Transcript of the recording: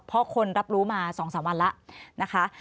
เพราะคนรับรู้มา๒๓วันแล้วนะคะ